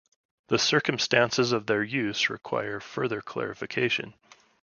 The circumstances of their use require further clarification.